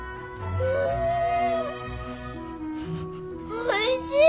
おいしい！